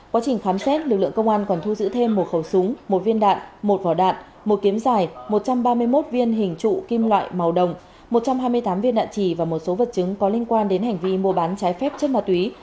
quá trình khám xét lực lượng công an còn thu giữ thêm một khẩu súng một viên đạn một vỏ đạn một kiếm dài một trăm ba mươi một viên hình trụ kim loại màu đồng một trăm hai mươi tám viên đạn trì và một số vật chứng có liên quan đến hành vi mua bán trái phép chất ma túy